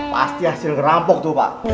pasti hasil gerampok tuh pak